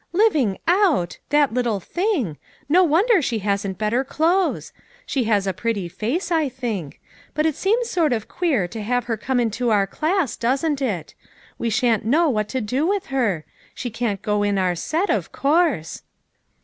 " Living out ! that little thing ! No wonder she hasn't better clothes. She has a pretty face, I think. But it seems sort of queer to have her come into our class, doesn't it? We sha'n't know what to do with her ! She can't go in our set, of course."